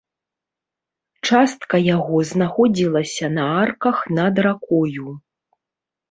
Частка яго знаходзілася на арках над ракою.